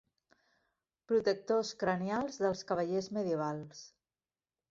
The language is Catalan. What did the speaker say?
Protectors cranials dels cavallers medievals.